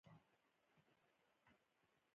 سپوږمۍ میینه شوه